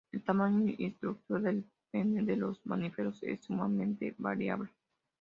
El tamaño y estructura del pene de los mamíferos es sumamente variable.